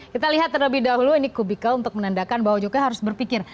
kita lihat terlebih dahulu ini kubikal untuk menandakan bahwa jokowi harus berpikir